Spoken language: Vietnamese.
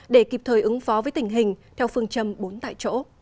để kịp thời ứng phó với tình hình theo phương châm bốn tại chỗ